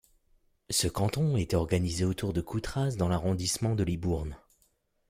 Ce canton était organisé autour de Coutras dans l'arrondissement de Libourne.